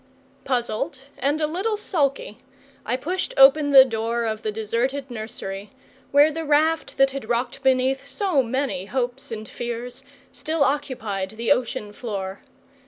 Puzzled and a little sulky, I pushed open the door of the deserted nursery, where the raft that had rocked beneath so many hopes and fears still occupied the ocean floor.